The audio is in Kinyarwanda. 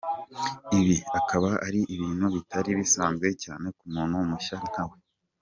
Ibi akaba ari ibintu bitari bisanzwe cyane ku muntu mushya nkawe.